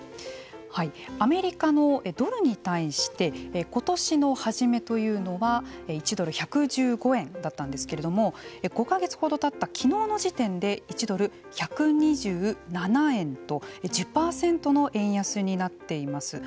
アメリカのドルに対してことしの初めというのは１ドル１１５円だったんですけれども５か月ほどたったきのうの時点で１ドル１２７円と１０％の円安になっています。